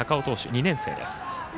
２年生です。